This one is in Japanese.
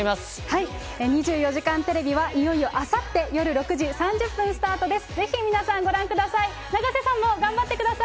２４時間テレビは、いよいよあさって夜６時３０分スタートです。